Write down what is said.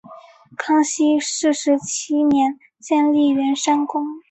康熙四十七年建立圆山宫。